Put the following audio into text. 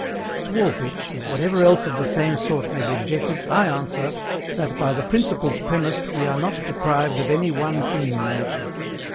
To all which, and whatever else of the same sort may be objected, I ANSWER, that by the principles premised we are not deprived of any one thing in nature.